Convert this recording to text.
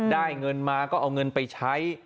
ได้เงินมาก็เอาเงินไปใช้